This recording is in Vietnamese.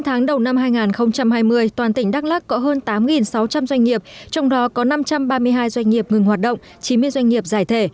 sáu tháng đầu năm hai nghìn hai mươi toàn tỉnh đắk lắc có hơn tám sáu trăm linh doanh nghiệp trong đó có năm trăm ba mươi hai doanh nghiệp ngừng hoạt động chín mươi doanh nghiệp giải thể